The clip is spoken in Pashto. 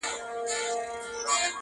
ستا دردونه دي نیمی و ماته راسي,